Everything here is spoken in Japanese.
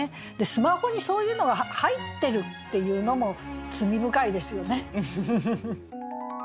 スマホにそういうのが入ってるっていうのも罪深いですよね。